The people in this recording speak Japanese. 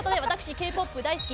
Ｋ−ＰＯＰ大好き！